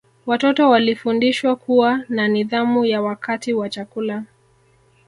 Watoto walifundishwa kuwa na nidhamu ya wakati wa chakula